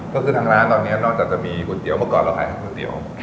ก็คือทางร้านหน้าจะจะมีก๋วยเตี๋ยวเมื่อก่อนเราก็มีครูเตี๋ยว